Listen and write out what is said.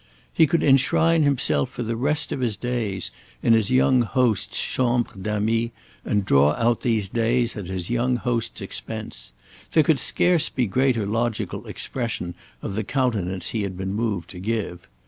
He could enshrine himself for the rest of his days in his young host's chambre d'ami and draw out these days at his young host's expense: there could scarce be greater logical expression of the countenance he had been moved to give.